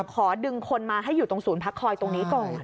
ขอดึงคนมาให้อยู่ตรงศูนย์พักคอยตรงนี้ก่อน